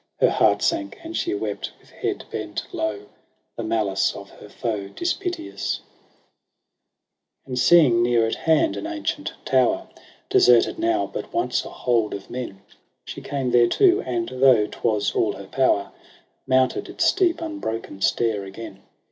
Her heart sank, and she wept with head bent low The malice of her foe dispiteous. JANUARY 15,9 If And seeing near at hand an ancient tower. Deserted now, but once a hold of men. She came thereto, and, though 'twas all her power, Mounted its steep unbroken stair again.